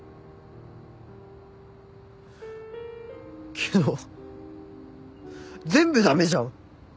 けど全部駄目じゃん！